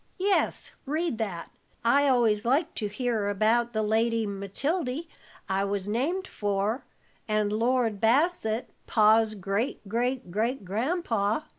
"Yes, read that. I always like to hear about the Lady Matildy I was named for, and Lord Bassett, Pa's great great great grandpa.